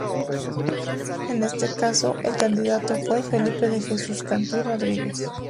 En este caso el candidato fue Felipe de Jesús Cantú Rodríguez.